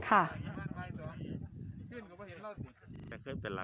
เหรอวะ